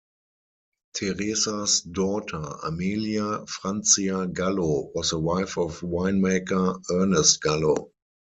Teresa's daughter, Amelia Franzia Gallo, was the wife of winemaker Ernest Gallo.